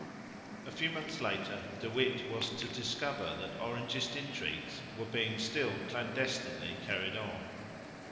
A few months later De Witt was to discover that Orangist intrigues were being still clandestinely carried on.